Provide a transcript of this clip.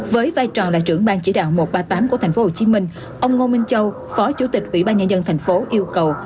với vai trò là trưởng ban chỉ đạo một trăm ba mươi tám của thành phố hồ chí minh ông ngô minh châu phó chủ tịch quỹ ban nhà dân thành phố yêu cầu